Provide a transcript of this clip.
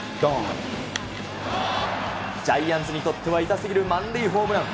ジャイアンツにとっては痛すぎる満塁ホームラン。